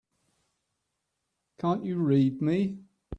Can't you read me?